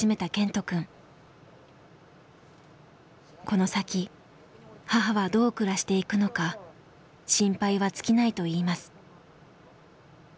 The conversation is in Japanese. この先母はどう暮らしていくのか心配は尽きないといいます。